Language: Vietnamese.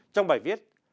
trong bài viết